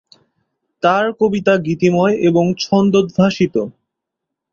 তার কবিতা গীতিময় এবং ছন্দোদ্ভাসিত।